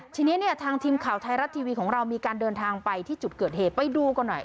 ทีนี้เนี่ยทางทีมข่าวไทยรัฐทีวีของเรามีการเดินทางไปที่จุดเกิดเหตุไปดูกันหน่อย